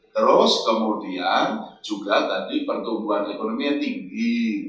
terus kemudian juga tadi pertumbuhan ekonominya tinggi